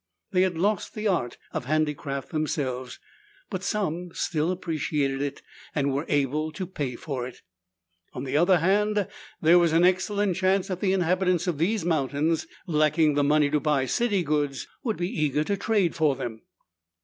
They had lost the art of handicraft themselves, but some still appreciated it and were able to pay for it. On the other hand, there was an excellent chance that the inhabitants of these mountains, lacking the money to buy city goods, would be eager to trade for them.